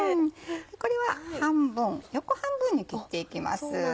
これは半分横半分に切っていきます。